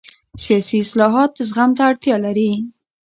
سیاسي اصلاحات زغم ته اړتیا لري